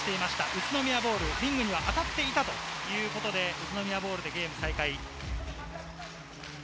宇都宮ボール、リングには当たっていたということで、宇都宮ボールでゲーム再開。